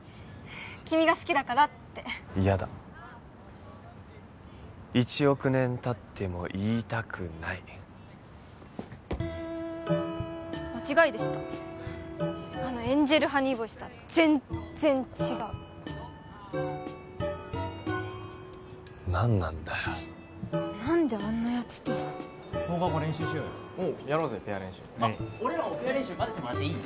「君が好きだから」って嫌だ１億年たっても言いたくない間違いでしたあのエンジェルハニーボイスとは全然違う何なんだよ何であんなヤツと放課後練習しようよおうやろうぜペア練習俺らもペア練習まぜてもらっていい？